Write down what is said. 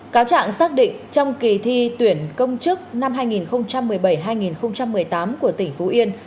cáo trạng xác định trong kỳ thi tuyển công chức năm hai nghìn một mươi bảy hai nghìn một mươi tám của tỉnh phú yên